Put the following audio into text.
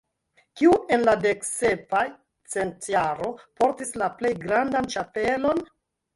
Kiu en la deksepa centjaro portis la plej grandan ĉapelon?